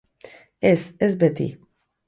Ez, ez beti.